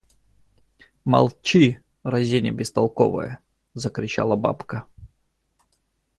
Молчи, разиня бестолковая! – закричала бабка.